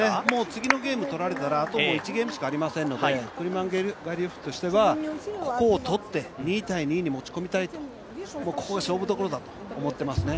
次のゲーム取られたら、あと１ゲームしかありませんのでクルマンガリエフとしてはここを取って２−２に持ち込みたいとここが勝負どころだと思ってますね。